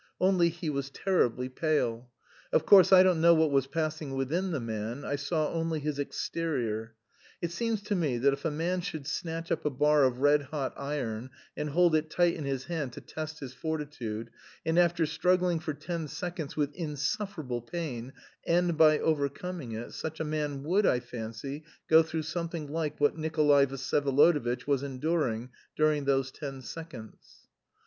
Only he was terribly pale. Of course I don't know what was passing within the man, I saw only his exterior. It seems to me that if a man should snatch up a bar of red hot iron and hold it tight in his hand to test his fortitude, and after struggling for ten seconds with insufferable pain end by overcoming it, such a man would, I fancy, go through something like what Nikolay Vsyevolodovitch was enduring during those ten seconds.